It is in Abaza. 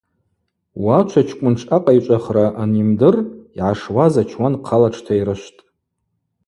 Уачвачкӏвын тшъакъайчӏвахра анйымдыр йгӏашуаз ачуан хъала тштайрышвтӏ.